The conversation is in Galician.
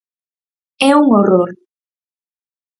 É un horror.